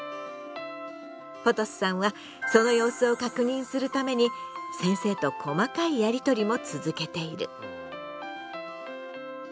ポトスさんはその様子を確認するために先生と細かいやりとりも続けている。